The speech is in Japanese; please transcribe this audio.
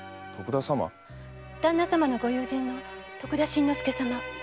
旦那様のご友人の徳田新之助様。